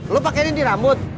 lu pakein di rambut